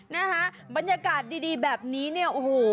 นะคะบรรยากาศดีแบบนี้เนี่ยโอ้โห